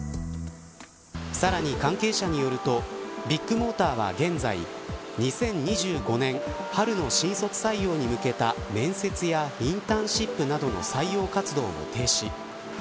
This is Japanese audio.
さらに関係者によるとビッグモーターは現在２０２５年春の新卒採用に向けた面接やインターンシップなどの採用活動を停止。